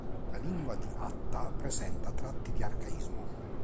La lingua di Atta presenta tratti di arcaismo.